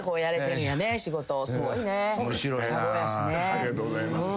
ありがとうございます。